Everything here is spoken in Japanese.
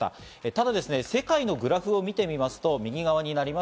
ただ世界のグラフを見てみますと右側。